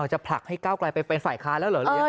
จะผลักให้ก้าวไกลไปเป็นฝ่ายค้านแล้วเหรอหรือยังไง